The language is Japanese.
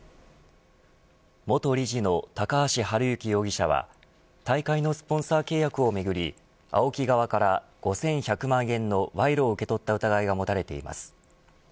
元理事の高橋治之容疑者は大会のスポンサー契約をめぐりＡＯＫＩ側から５１００万円の賄賂を受け取った疑いが持たれています。